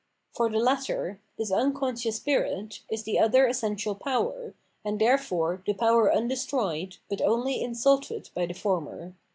For the latter, this unconscious spirit, is the other essential power, and therefore the power undestroyed, but only insulted by the former.